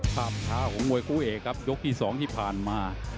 ครับข้าวของมวยกู้เอกครับยกที่สองที่ผ่านมา